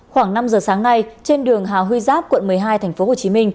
khoảng năm giờ sáng nay trên đường hà huy giáp quận một mươi hai tp hcm